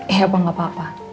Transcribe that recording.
ya pak tidak apa apa